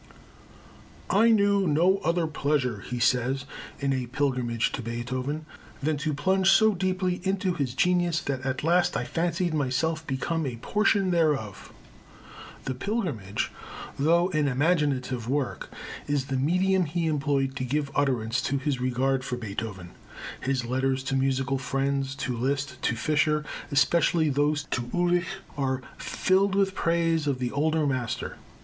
"I knew no other pleasure," he says in A Pilgrimage to Beethoven, "than to plunge so deeply into his genius that at last I fancied myself become a portion thereof." The Pilgrimage, though an imaginative work, is the medium he employed to give utterance to his regard for Beethoven. His letters to musical friends, to Liszt, to Fischer, especially those to Ulig, are filled with praise of the older master.